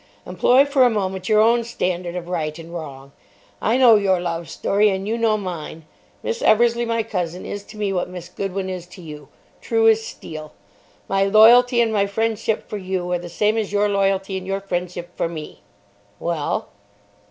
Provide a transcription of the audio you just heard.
Employ for a moment your own standard of right and wrong. I know your love story, and you know mine. Miss Eversleigh, my cousin, is to me what Miss Goodwin is to you—true as steel. My loyalty and my friendship for you are the same as your loyalty and your friendship for me." "Well?"